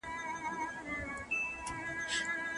هغه استاد چي لارښوونه کوي باید پوره معلومات ولري.